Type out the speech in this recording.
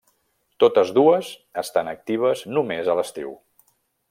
Totes dues estan actives només a l'estiu.